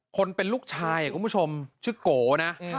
คนเป็นลูกชายคุณผู้ชมชื่อโกนะ